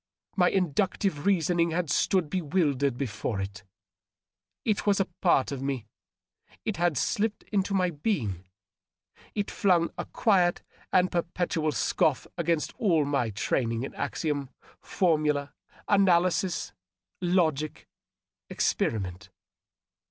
My inductive reasoning had stood bewildered before it. It was a part of me ; it had slipped into my being ; it flung a quiet and perpetual scoff against all my training in axiom, formula, analysis, logic, experiment.